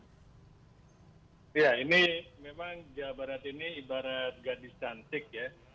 ya ini memang jawa barat ini ibarat gadis cantik ya